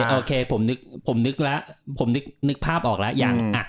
อ๋อโอเคผมนึกภาพออกแล้ว